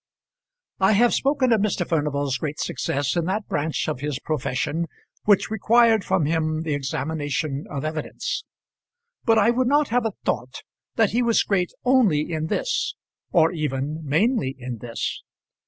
I have spoken of Mr. Furnival's great success in that branch of his profession which required from him the examination of evidence, but I would not have it thought that he was great only in this, or even mainly in this.